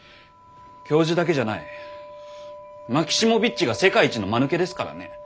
教授だけじゃないマキシモヴィッチが世界一のまぬけですからね。